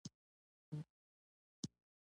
هره جمعه د مغفرت ورځ ده.